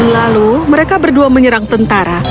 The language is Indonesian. lalu mereka berdua menyerang tentara